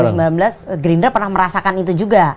jadi dua ribu sembilan belas gerindra pernah merasakan itu juga